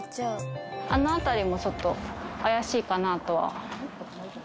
あの辺りもちょっと怪しいかなとは。